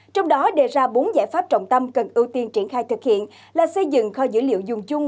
trong đó đề ra bốn giải pháp trọng tâm cần ưu tiên triển khai thực hiện là xây dựng kho dữ liệu dùng chung